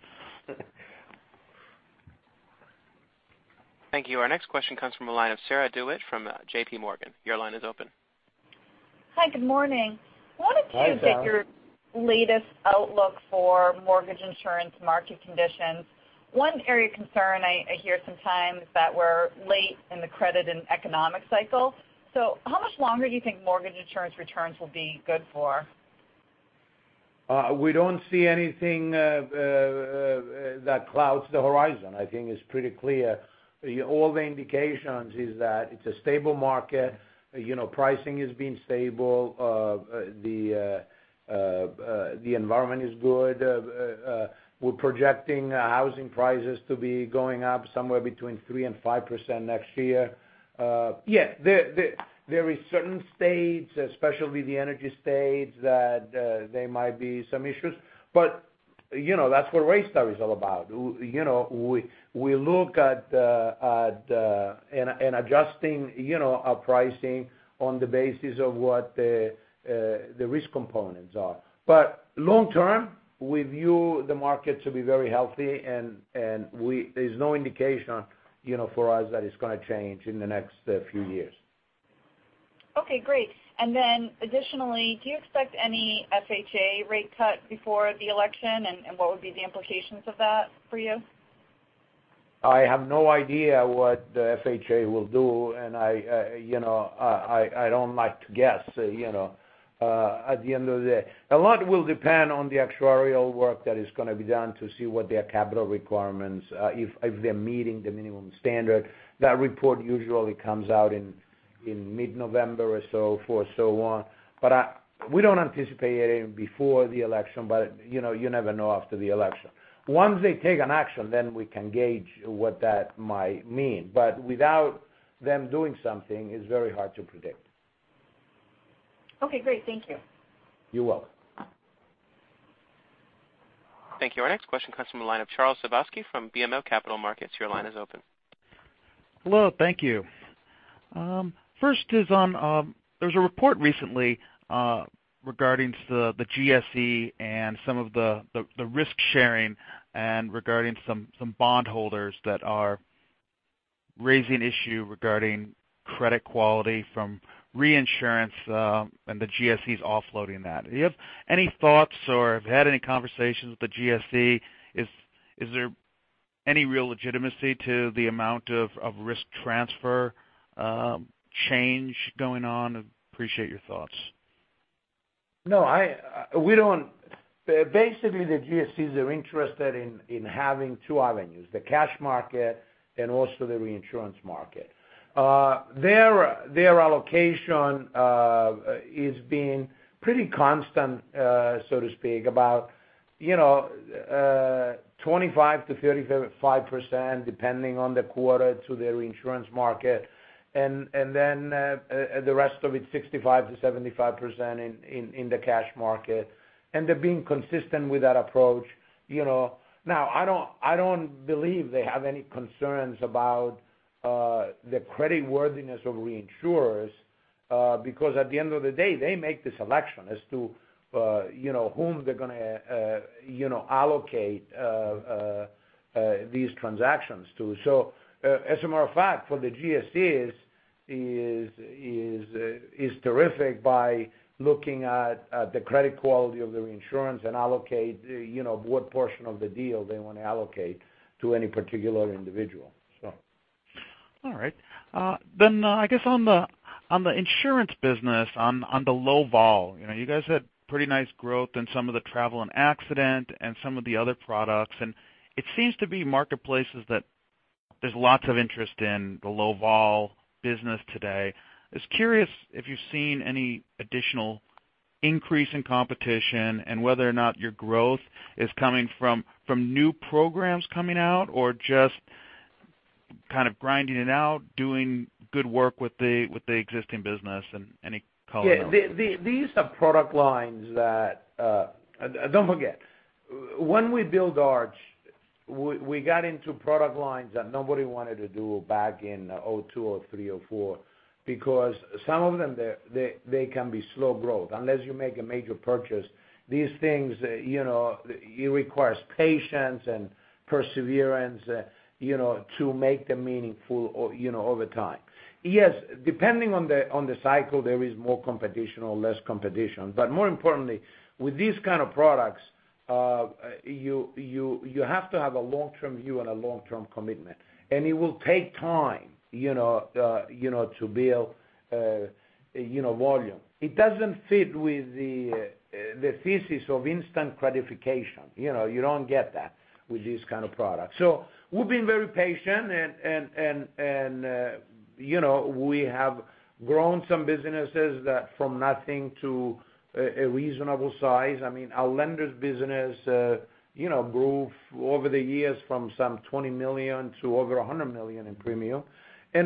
Thank you. Our next question comes from the line of Sarah DeWitt from JPMorgan. Your line is open. Hi, good morning. Hi, Sarah. What did you get your latest outlook for mortgage insurance market conditions? One area of concern I hear sometimes that we're late in the credit and economic cycle. How much longer do you think mortgage insurance returns will be good for? We don't see anything that clouds the horizon. I think it's pretty clear. All the indications is that it's a stable market. Pricing is being stable. The environment is good. We're projecting housing prices to be going up somewhere between 3% and 5% next year. Yeah, there is certain states, especially the energy states, that there might be some issues, but that's what RateStar is all about. We look at adjusting our pricing on the basis of what the risk components are. Long term, we view the market to be very healthy, and there's no indication for us that it's going to change in the next few years. Additionally, do you expect any FHA rate cut before the election? And what would be the implications of that for you? I have no idea what the FHA will do, I don't like to guess, at the end of the day. A lot will depend on the actuarial work that is going to be done to see what their capital requirements, if they're meeting the minimum standard. That report usually comes out in mid-November or so for so on. We don't anticipate anything before the election, you never know after the election. Once they take an action, we can gauge what that might mean. Without them doing something, it's very hard to predict. Okay, great. Thank you. You're welcome. Thank you. Our next question comes from the line of Charles Sebaski from BMO Capital Markets. Your line is open. Hello. Thank you. First, there was a report recently regarding the GSE and some of the risk sharing and regarding some bondholders that are raising issue regarding credit quality from reinsurance and the GSEs offloading that. Do you have any thoughts or have had any conversations with the GSE? Is there any real legitimacy to the amount of risk transfer change going on? Appreciate your thoughts. No. Basically, the GSEs are interested in having two avenues, the cash market and also the reinsurance market. Their allocation is being pretty constant, so to speak, about 25%-35%, depending on the quarter to the reinsurance market. Then the rest of it, 65%-75% in the cash market. They're being consistent with that approach. Now, I don't believe they have any concerns about the credit worthiness of reinsurers, because at the end of the day, they make the selection as to whom they're going to allocate these transactions to. As a matter of fact, for the GSE is terrific by looking at the credit quality of the reinsurance and allocate what portion of the deal they want to allocate to any particular individual. All right. I guess on the insurance business, on the LOVOL, you guys had pretty nice growth in some of the travel and accident and some of the other products, and it seems to be marketplaces that there's lots of interest in the LOVOL business today. I was curious if you've seen any additional increase in competition and whether or not your growth is coming from new programs coming out or just kind of grinding it out, doing good work with the existing business and any color. Yeah. These are product lines that. Don't forget, when we built Arch, we got into product lines that nobody wanted to do back in 2002, 2003, 2004 because some of them, they can be slow growth. Unless you make a major purchase, these things, it requires patience and perseverance to make them meaningful over time. Yes, depending on the cycle, there is more competition or less competition. More importantly, with these kind of products, you have to have a long-term view and a long-term commitment. It will take time to build volume. It doesn't fit with the thesis of instant gratification. You don't get that with these kind of products. We've been very patient and we have grown some businesses from nothing to a reasonable size. Our lenders business grew over the years from some $20 million to over $100 million in premium.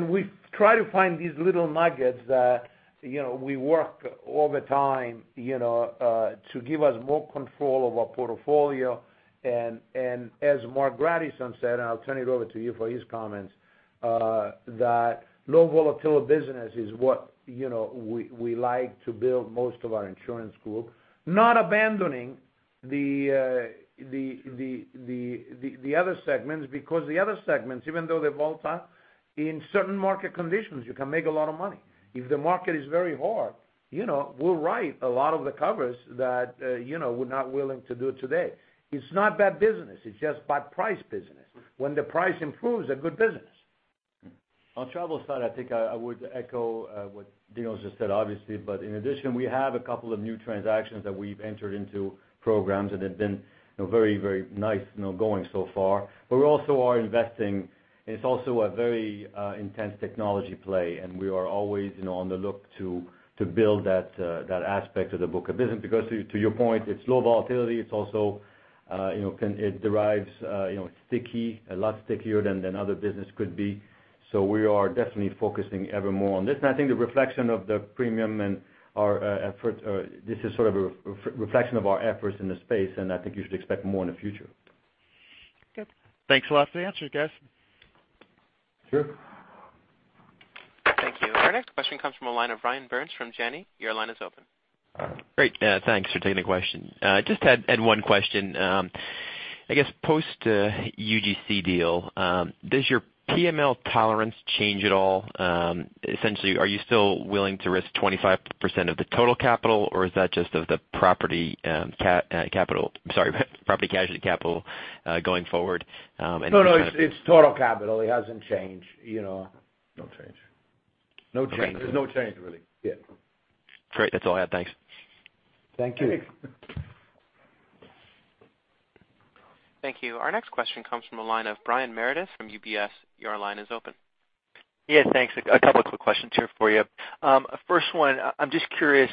We've tried to find these little nuggets that we work all the time to give us more control of our portfolio, and as Marc Grandisson said, I'll turn it over to you for his comments, that low volatile business is what we like to build most of our insurance group, not abandoning the other segments because the other segments, even though they're volatile, in certain market conditions, you can make a lot of money. If the market is very hard, we'll write a lot of the covers that we're not willing to do today. It's not bad business, it's just bad price business. When the price improves, they're good business. On travel side, I think I would echo what Dinos' just said, obviously. In addition, we have a couple of new transactions that we've entered into programs that have been very nice going so far. We also are investing, and it's also a very intense technology play, and we are always on the look to build that aspect of the book of business because to your point, it's low volatility, it derives sticky, a lot stickier than other business could be. We are definitely focusing ever more on this. I think the reflection of the premium and our effort, this is sort of a reflection of our efforts in the space, and I think you should expect more in the future. Good. Thanks a lot for the answers, guys. Sure. Thank you. Our next question comes from the line of Ryan Burns from Janney. Your line is open. Great. Thanks for taking the question. Just had one question. I guess post-UGC deal, does your PML tolerance change at all? Essentially, are you still willing to risk 25% of the total capital, or is that just of the property casualty capital going forward? No, it's total capital. It hasn't changed. No change. No change. There's no change, really. Yeah. Great. That's all I had. Thanks. Thank you. Thanks. Thank you. Our next question comes from the line of Brian Meredith from UBS. Your line is open. Yeah, thanks. A couple of quick questions here for you. First one, I'm just curious,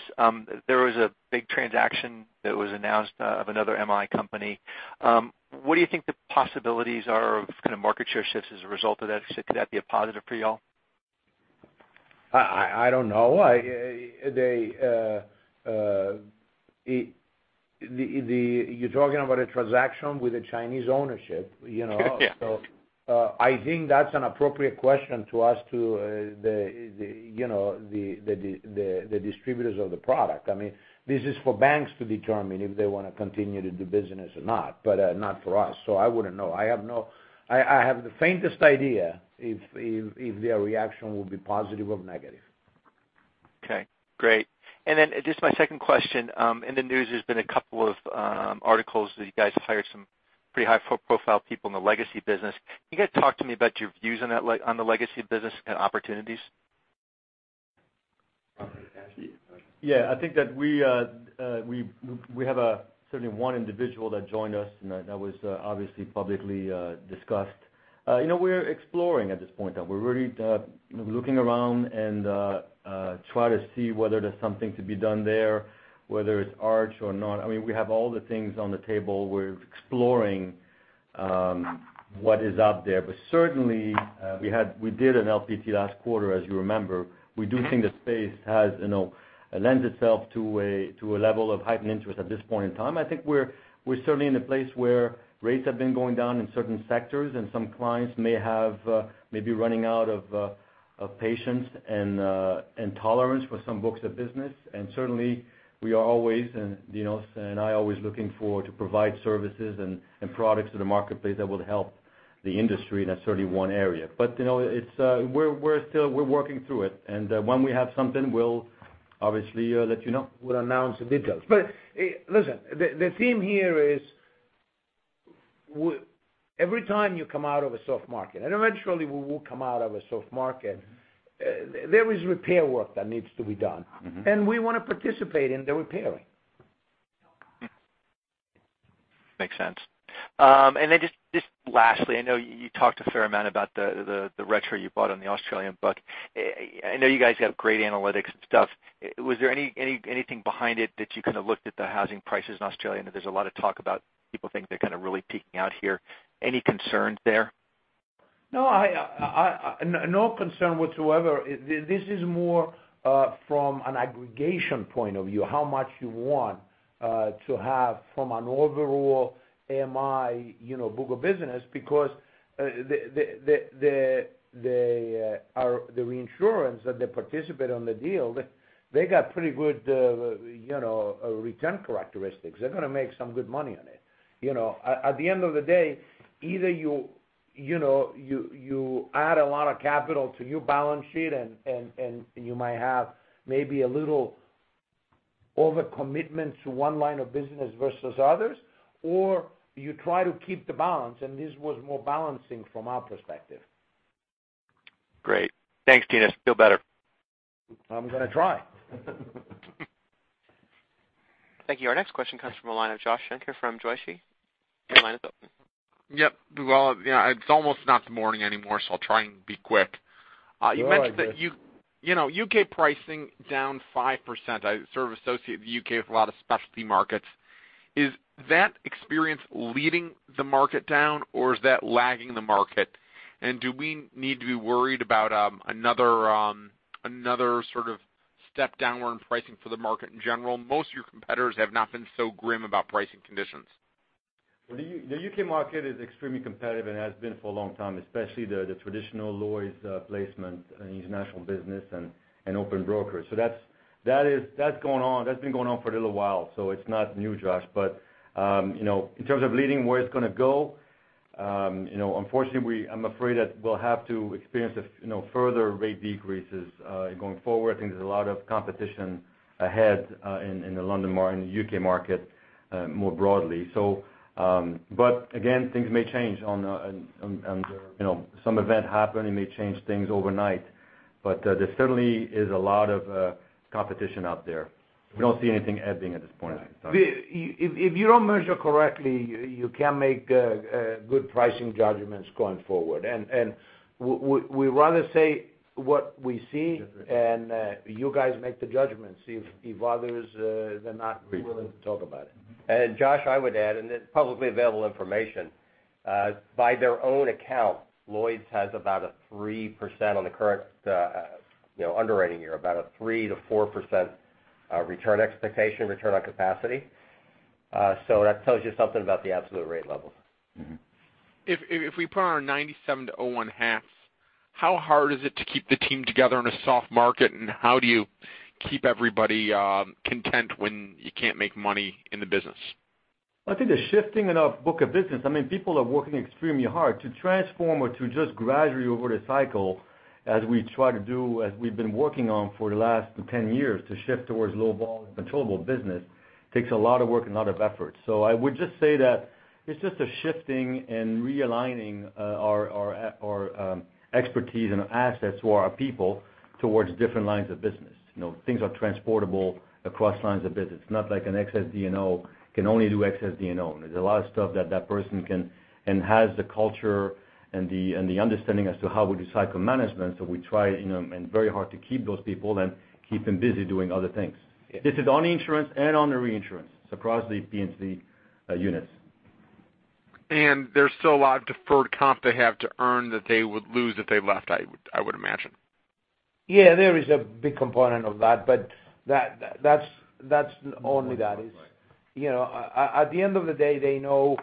there was a big transaction that was announced of another MI company. What do you think the possibilities are of kind of market share shifts as a result of that? Could that be a positive for you all? I don't know. You're talking about a transaction with a Chinese ownership. Yeah. I think that's an appropriate question to ask to the distributors of the product. This is for banks to determine if they want to continue to do business or not, but not for us. I wouldn't know. I have the faintest idea if their reaction will be positive or negative. Okay, great. Just my second question, in the news, there's been a couple of articles that you guys hired some pretty high-profile people in the legacy business. Can you guys talk to me about your views on the legacy business and opportunities? Yeah, I think that we have certainly one individual that joined us, that was obviously publicly discussed. We're exploring at this point. We're really looking around and try to see whether there's something to be done there, whether it's Arch or not. We have all the things on the table. We're exploring what is out there. Certainly we did an LPT last quarter, as you remember. We do think the space lends itself to a level of heightened interest at this point in time. I think we're certainly in a place where rates have been going down in certain sectors and some clients may be running out of patience and tolerance for some books of business. Certainly we are always, and Dinos and I are always looking forward to provide services and products to the marketplace that will help the industry, and that's certainly one area. We're working through it, when we have something, we'll obviously let you know. We'll announce the details. Listen, the theme here is every time you come out of a soft market, eventually we will come out of a soft market, there is repair work that needs to be done. We want to participate in the repairing. Makes sense. Lastly, I know you talked a fair amount about the retro you bought on the Australian book. I know you guys have great analytics and stuff. Was there anything behind it that you kind of looked at the housing prices in Australia? I know there's a lot of talk about people think they're kind of really peaking out here. Any concerns there? No concern whatsoever. This is more from an aggregation point of view, how much you want to have from an overall MI book of business because the reinsurance that they participate on the deal, they got pretty good return characteristics. They're going to make some good money on it. At the end of the day, either you add a lot of capital to your balance sheet and you might have maybe a little over-commitment to one line of business versus others, or you try to keep the balance, this was more balancing from our perspective. Great. Thanks, Dinos. Feel better. I'm going to try. Thank you. Our next question comes from the line of Josh Shanker from BofA Securities. Your line is open. Yep. It's almost not the morning anymore, I'll try and be quick. Go ahead, Josh. You mentioned that U.K. pricing down 5%. I sort of associate the U.K. with a lot of specialty markets. Is that experience leading the market down or is that lagging the market? Do we need to be worried about another sort of step downward in pricing for the market in general? Most of your competitors have not been so grim about pricing conditions. The U.K. market is extremely competitive and has been for a long time, especially the traditional Lloyd's placement in the international business and open brokers. That's been going on for a little while, so it's not new, Josh. In terms of leading where it's going to go, unfortunately, I'm afraid that we'll have to experience further rate decreases going forward. I think there's a lot of competition ahead in the London market, in the U.K. market more broadly. Again, things may change and some event happen, it may change things overnight. There certainly is a lot of competition out there. We don't see anything ebbing at this point in time. If you don't measure correctly, you can't make good pricing judgments going forward. We'd rather say what we see and you guys make the judgments if others are not willing to talk about it. Josh, I would add, it's publicly available information. By their own account, Lloyd's has about a 3% on the current underwriting year, about a 3%-4% return expectation, return on capacity. That tells you something about the absolute rate level. Mm-hmm. If we put on our 1997 to 2001 hats, how hard is it to keep the team together in a soft market and how do you keep everybody content when you can't make money in the business? I think the shifting in our book of business, people are working extremely hard to transform or to just gradually over the cycle, as we try to do, as we've been working on for the last 10 years to shift towards LOVOL and controllable business, takes a lot of work and a lot of effort. I would just say that it's just a shifting and realigning our expertise and our assets for our people towards different lines of business. Things are transportable across lines of business. It's not like an excess D&O can only do excess D&O. There's a lot of stuff that that person can enhance the culture and the understanding as to how we do cycle management. We try very hard to keep those people and keep them busy doing other things. This is on insurance and on the reinsurance across the P&C units. There's still a lot of deferred comp they have to earn that they would lose if they left, I would imagine. Yeah, there is a big component of that's only that. At the end of the day, they know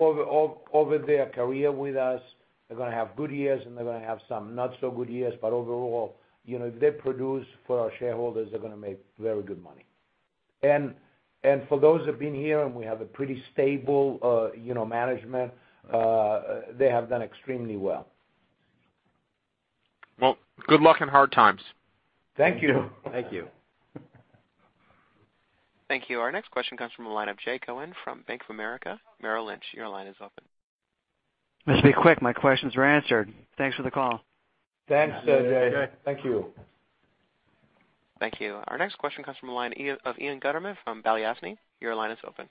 over their career with us, they're going to have good years and they're going to have some not so good years, overall, if they produce for our shareholders, they're going to make very good money. For those who've been here, and we have a pretty stable management, they have done extremely well. Well, good luck in hard times. Thank you. Thank you. Thank you. Our next question comes from the line of Jay Cohen from Bank of America Merrill Lynch. Your line is open. Just be quick. My questions were answered. Thanks for the call. Thanks, Jay. Thank you. Thank you. Our next question comes from the line of Ian Gutterman from Balyasny. Your line is open.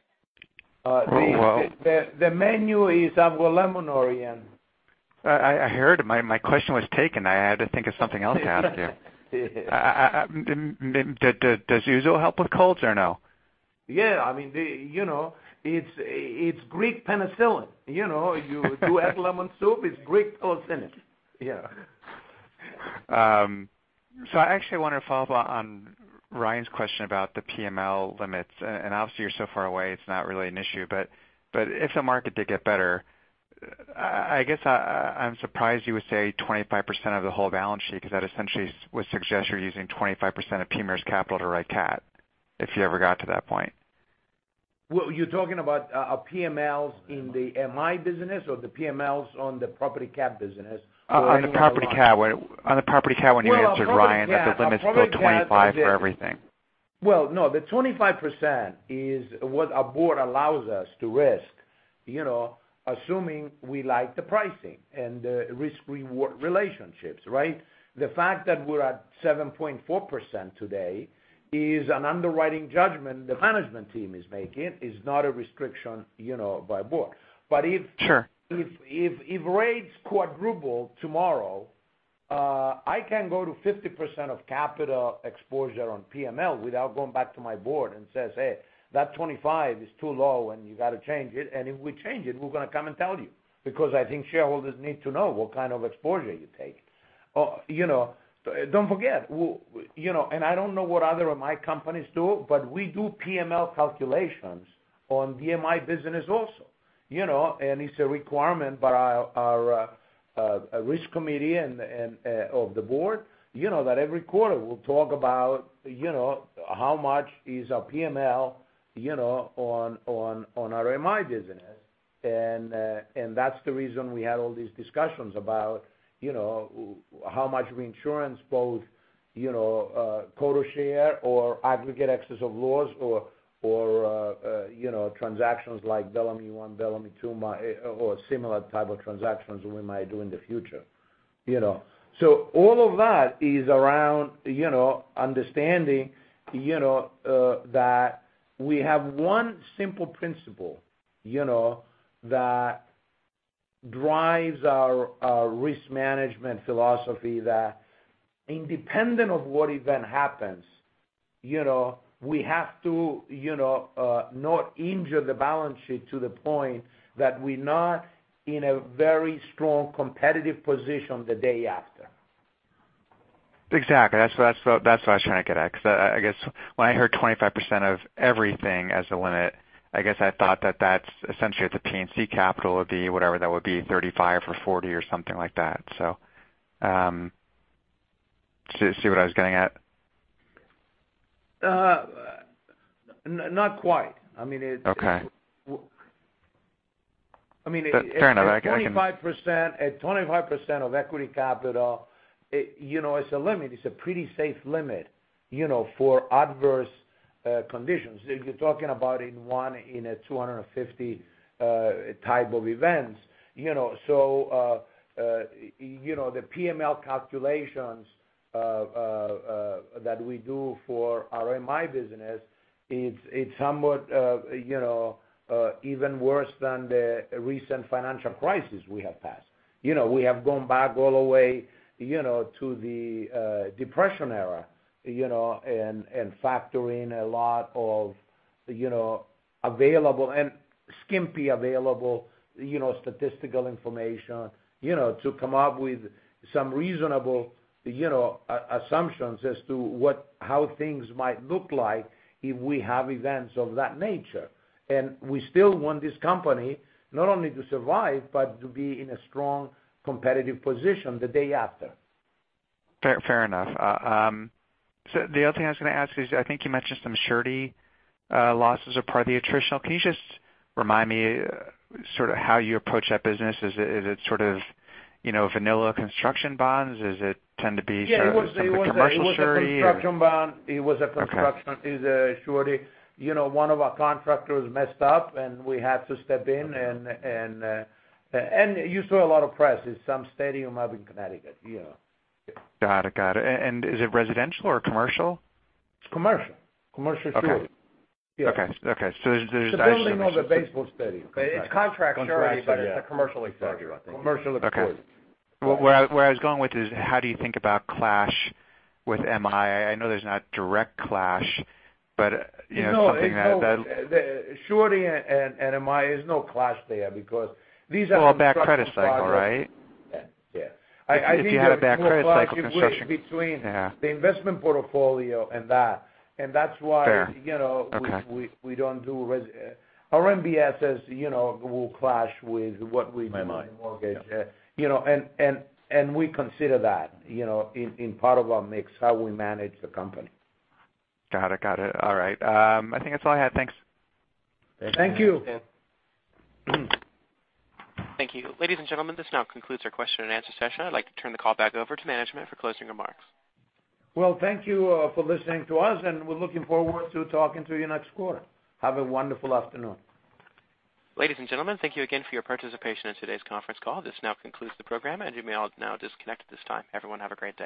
The menu is of I heard. My question was taken. I had to think of something else to ask you. Does ouzo help with colds or no? Yeah. It's Greek penicillin. You add lemon soup, it's Greek penicillin. I actually want to follow up on Ryan's question about the PML limits. Obviously you're so far away it's not really an issue, but if the market did get better, I guess I'm surprised you would say 25% of the whole balance sheet because that essentially would suggest you're using 25% of PML's capital to write CAT, if you ever got to that point. You're talking about PMLs in the MI business or the PMLs on the property CAT business or on the London? On the property CAT when you answered Ryan that the limit is still 25 for everything. No, the 25% is what our board allows us to risk assuming we like the pricing and the risk/reward relationships, right? The fact that we're at 7.4% today is an underwriting judgment the management team is making, is not a restriction by board. Sure. If rates quadruple tomorrow, I can go to 50% of capital exposure on PML without going back to my board and says, "Hey, that 25 is too low and you got to change it." If we change it, we're going to come and tell you because I think shareholders need to know what kind of exposure you take. Don't forget, I don't know what other MI companies do, but we do PML calculations on VMI business also and it's a requirement by our A risk committee of the board, that every quarter we'll talk about how much is our PML on our MI business. That's the reason we had all these discussions about how much reinsurance both quota share or aggregate excess of loss or transactions like Bellemeade I, Bellemeade II, or similar type of transactions we might do in the future. All of that is around understanding that we have one simple principle, that drives our risk management philosophy that independent of what event happens, we have to not injure the balance sheet to the point that we're not in a very strong competitive position the day after. Exactly. That's what I was trying to get at. I guess when I heard 25% of everything as the limit, I guess I thought that that's essentially the P&C capital would be whatever that would be, 35 or 40 or something like that. Do you see what I was getting at? Not quite. I mean, it's. Okay I mean. Fair enough. I got you. at 25% of equity capital, it's a limit. It's a pretty safe limit for adverse conditions. You're talking about in one in a 250 type of events. The PML calculations that we do for our MI business, it's somewhat even worse than the recent financial crisis we have passed. We have gone back all the way to the Depression era, and factor in a lot of available and skimpy available statistical information, to come up with some reasonable assumptions as to how things might look like if we have events of that nature. We still want this company not only to survive, but to be in a strong competitive position the day after. Fair enough. The other thing I was going to ask is, I think you mentioned some surety losses are part of the attritional. Can you just remind me sort of how you approach that business? Is it sort of vanilla construction bonds? Does it tend to be- Yeah some commercial surety? It was a construction bond. Okay surety. One of our contractors messed up, and we had to step in. You saw a lot of press. It's some stadium up in Connecticut, yeah. Got it. Is it residential or commercial? It's commercial surety. Okay. It's a building of a baseball stadium. It's contract surety, but it's a commercial exposure. Commercial exposure. Okay. Where I was going with is, how do you think about clash with MI? I know there's not direct clash. No. Surety and MI, there's no clash there because these are- Well, back credit cycle, right? Yeah. I think- If you have a back credit cycle construction- between the investment portfolio and that, and that's why- Fair. Okay. we don't do RMBS will clash with what we- MI mortgage. Yeah. We consider that in part of our mix, how we manage the company. Got it. All right. I think that's all I had. Thanks. Thank you. Thank you. Thank you. Ladies and gentlemen, this now concludes our question and answer session. I'd like to turn the call back over to management for closing remarks. Well, thank you for listening to us, and we're looking forward to talking to you next quarter. Have a wonderful afternoon. Ladies and gentlemen, thank you again for your participation in today's conference call. This now concludes the program, and you may all now disconnect at this time. Everyone have a great day.